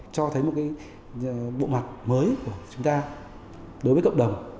cho thấy một cái bộ mặt mới của chúng ta đối với cộng đồng